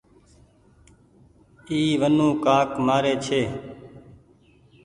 اي ونٽوڦآئڦ مآري هيتي ۔